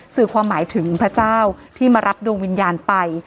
สื่อความหมายถึงพระเจ้าที่มารับดวงวิญญาณไป